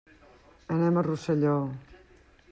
Anem a Rosselló.